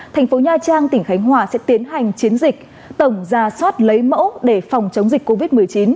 thành phố nha trang tỉnh khánh hòa sẽ tiến hành chiến dịch tổng ra soát lấy mẫu để phòng chống dịch covid một mươi chín